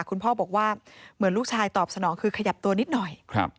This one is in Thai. คุณพ่อบอกว่าเหมือนลูกชายตอบสนองคือขยับตัวนิดหน่อย